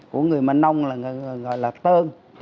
của người mà nông là tôn